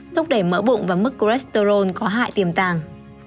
thúc đẩy mỡ bụng và mức cholesterol có hại tiềm tàng